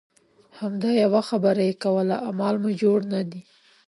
همدا یوه خبره یې کوله اعمال مو جوړ نه دي.